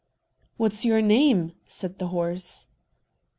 "What's your name?" said the horse.